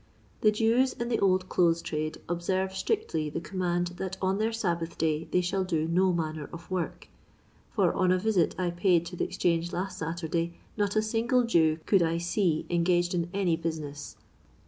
The Jews in the old clothes trade observe strictly the command that on their Sabbath day they shall do no manner of work, for on a visit I paid to the Bxchange last Saturday, not a single Jew could I see engaged in any business.